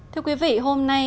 thưa quý vị hôm nay